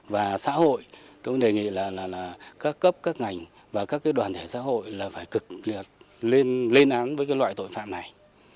và xã hội tôi đề nghị là các cấp các ngành và các đoàn thể xã hội là phải cực lên án với loại tội phạm này